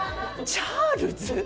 チャールズ？